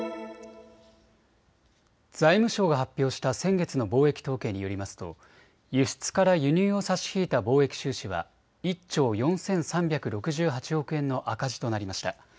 財務省が発表した先月の貿易統計によりますと輸出から輸入を差し引いた貿易収支は１兆４３６８億円の赤字となりました。